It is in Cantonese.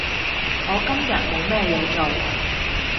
我今日冇咩嘢做